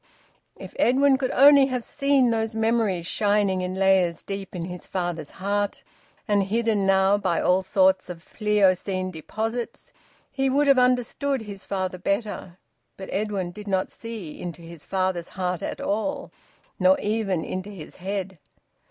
If Edwin could only have seen those memories, shining in layers deep in his father's heart, and hidden now by all sorts of Pliocene deposits, he would have understood his father better. But Edwin did not see into his father's heart at all, nor even into his head.